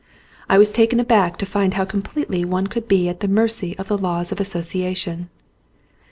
I was taken aback to find how completely one could be at the mercy of the laws of association.